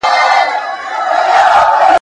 ژوره پوهه د تل لپاره پاته کیږي.